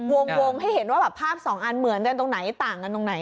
วงให้เห็นว่าแบบภาพสองอันเหมือนกันตรงไหนต่างกันตรงไหน